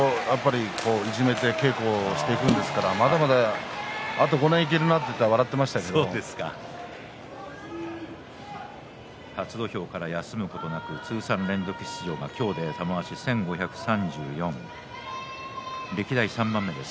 あれだけ体をいじめて稽古していくんですからまだまだあと５年いけるなと言ったら初土俵から休むことなく通算連続出場が今日では玉鷲１５３４歴代３番目です。